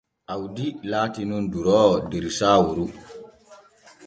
Awdi laati nun duroowo der Saaworu.